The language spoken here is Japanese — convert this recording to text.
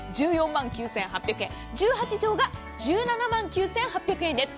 １４万９８００円１８畳が１７万９８００円です。